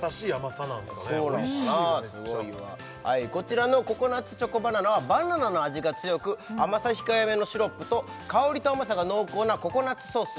そうなんかなすごいわおいしいめっちゃこちらのココナッツチョコバナナはバナナの味が強く甘さ控えめのシロップと香りと甘さが濃厚なココナッツソース